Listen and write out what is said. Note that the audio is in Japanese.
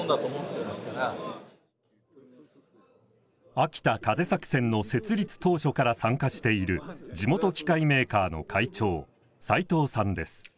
秋田風作戦の設立当初から参加している地元機械メーカーの会長齊藤さんです。